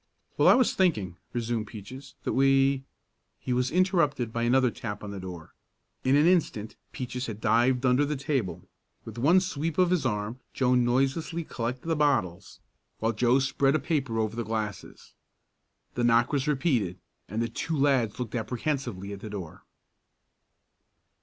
"Well, I was thinking," resumed Peaches, "that we " He was interrupted by another tap on the door. In an instant Peaches had dived under the table. With one sweep of his arm Joe noiselessly collected the bottles, while Joe spread a paper over the glasses. The knock was repeated, and the two lads looked apprehensively at the door.